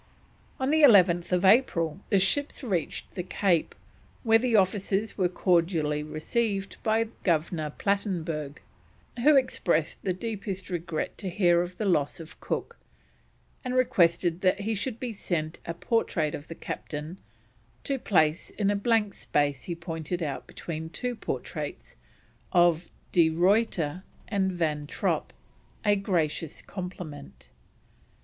On 11th April the ships reached the Cape, where the officers were cordially received by Governor Plattenberg, who expressed the deepest regret to hear of the loss of Cook, and requested that he should be sent a portrait of the Captain to place in a blank space he pointed out between two portraits of De Ruyter and Van Tromp a gracious compliment.